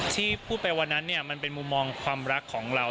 ที่พูดไปวันนั้นเนี่ยมันเป็นมุมมองความรักของเรา